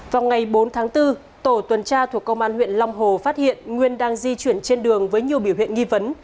vào ngày bốn tháng bốn tổ tuần tra thuộc công an huyện long hồ phát hiện nguyên đang di chuyển trên đường với nhiều biểu hiện nghi vấn